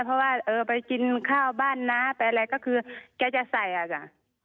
เพราะว่าไปกินข้าวบ้านนะไปอะไรก็คือแกจะใส่ค่ะ